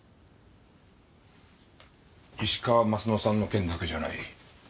石川鱒乃さんの件だけじゃない。